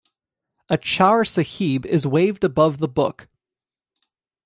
A "chaur sahib" is waved above the book.